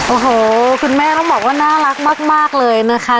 โอ้โหคุณแม่ต้องบอกว่าน่ารักมากเลยนะคะ